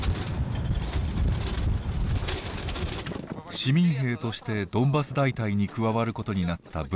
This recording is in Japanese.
市民兵としてドンバス大隊に加わることになったブラッド。